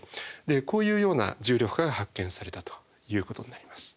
こういうような重力波が発見されたということになります。